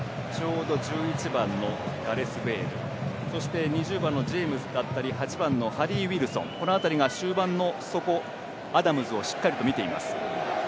１１番のガレス・ベイル２０番のジェームズだったり８番のハリー・ウィルソンこの辺りが、終盤の底アダムズをしっかり見ています。